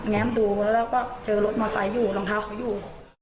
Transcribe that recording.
แม้มดูแล้วก็เจอรถมอไซค์อยู่รองเท้าเขาอยู่